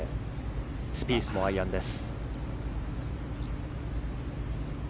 スピースもアイアンです。